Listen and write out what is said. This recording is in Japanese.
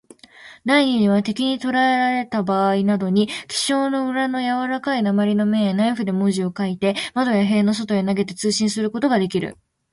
第二には、敵にとらえられたばあいなどに、記章の裏のやわらかい鉛の面へ、ナイフで文字を書いて、窓や塀の外へ投げて、通信することができる。